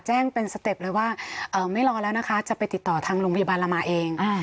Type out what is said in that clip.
แจ้งเป็นสเต็ปเลยว่าไม่รอแล้วนะคะจะไปติดต่อทางโรงพยาบาลเรามาเอง